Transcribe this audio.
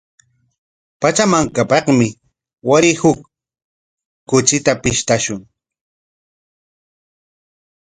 Pachamankapaqmi waray huk kuchita pishqashun.